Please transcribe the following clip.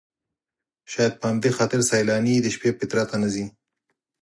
شاید په همدې خاطر سیلاني د شپې پیترا ته نه ځي.